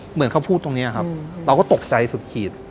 เหมือนเขาพูดตรงนี้ครับเราก็ตกใจสุดขีด